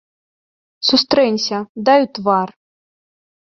Сустрэнься, дай у твар.